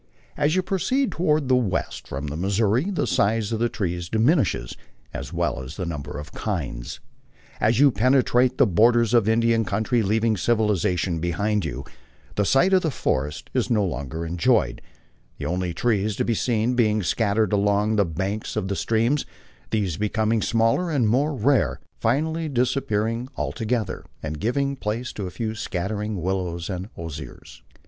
As you proceed toward the west from the Missouri, the size of the trees di minishes as well as the number of kinds. As you penetrate the borders of the Indian country, leaving civilization behind you, the sight of forests is no longer enjoyed, the only trees to be seen being scattered along the banks of the streams, these becoming smaller and more rare, finally disappearing altogether and giving place to a few scattering willows and osiers.